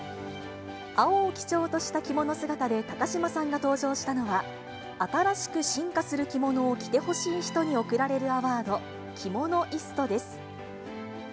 青を基調とした着物姿で高島さんが登場したのは、新しく進化する着物を着てほしい人に贈られるアワード、キモノイストです。